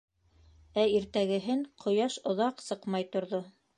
Ә иртәгеһен ҡояш оҙаҡ сыҡмай торҙо.